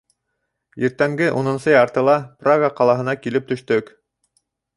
Иртәнге унынсы яртыла Прага ҡалаһына килеп төштөк.